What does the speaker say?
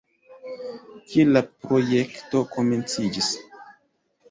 Kiel la projekto komenciĝis?